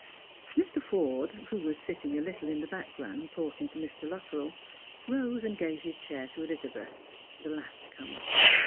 Mr. Forde, who was sitting a little in the background, talking to Mr. Luttrell, rose and gave his chair to Elizabeth — the last comer.